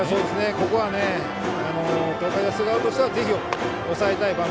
ここは東海大菅生としては抑えたい場面。